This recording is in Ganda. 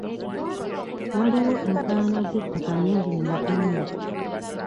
Waliwo enkaayana z'ettaka nnyingi mu Uganda.